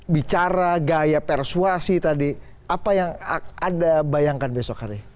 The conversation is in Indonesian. bicara gaya persuasi tadi apa yang anda bayangkan besok hari